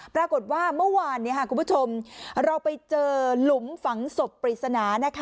ปรากฏว่าเมื่อวานคุณผู้ชมเราไปเจอหลุมฝังศพปริศนา